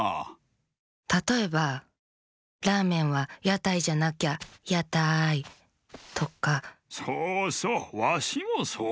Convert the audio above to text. たとえば「ラーメンはやたいじゃなきゃやたい！」とか。そうそうわしもそうおもう。